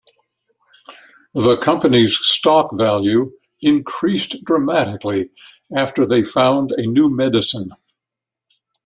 The company's stock value increased dramatically after they found a new medicine.